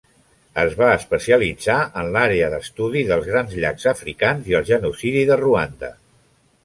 Es va especialitzar en l'àrea d'estudi dels Grans Llacs Africans i el genocidi de Ruanda.